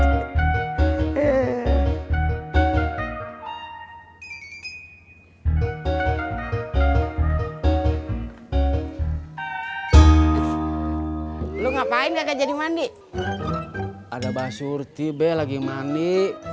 ada aja ya wc pake mampet lu ngapain gak jadi mandi ada basurti be lagi mani